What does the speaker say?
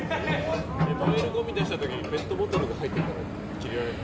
燃えるごみを出した時にペットボトルが入ってたらキレられるの？